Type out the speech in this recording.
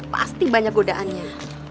pasti banyak godaannya